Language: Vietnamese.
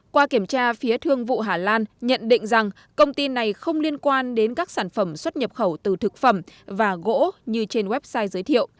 qua kiểm tra phía thương vụ hà lan nhận định rằng công ty này không liên quan đến các sản phẩm xuất nhập khẩu từ thực phẩm và gỗ như trên website giới thiệu